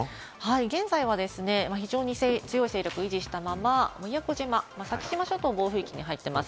現在は非常に強い勢力を維持したまま宮古島、先島諸島が暴風域に入っています。